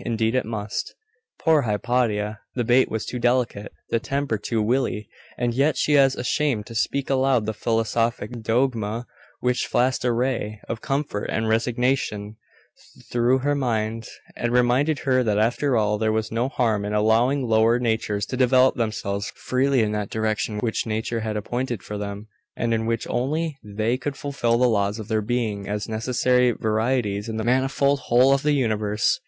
indeed it must!' Poor Hypatia! The bait was too delicate, the tempter too wily; and yet she was ashamed to speak aloud the philosophic dogma which flashed a ray of comfort and resignation through her mind, and reminded her that after all there was no harm in allowing lower natures to develop themselves freely in that direction which Nature had appointed for them, and in which only they could fulfil the laws of their being, as necessary varieties in the manifold whole of the universe.